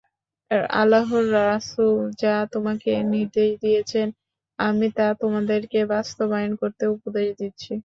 আল্লাহর রাসূল যা তোমাকে নির্দেশ দিয়েছেন আমি তা তোমাকে বাস্তবায়ন করতে উপদেশ দিচ্ছি।